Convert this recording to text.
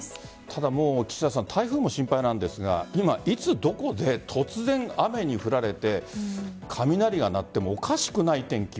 ただ、台風も心配なんですが今、いつどこで突然、雨に降られて雷が鳴ってもおかしくない天気